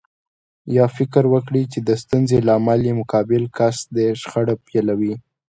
يا فکر وکړي چې د ستونزې لامل يې مقابل کس دی شخړه پيلوي.